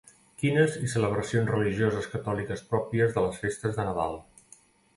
Quines i celebracions religioses catòliques pròpies de les festes de Nadal.